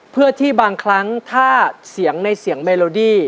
เพื่อที่บางครั้งถ้าเสียงในเสียงเมโลดี้